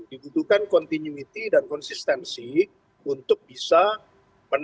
dibutuhkan continuity dan konsistensi untuk bisa mendapatkan